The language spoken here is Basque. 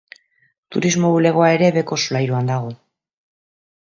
Turismo bulegoa ere beheko solairuan dago.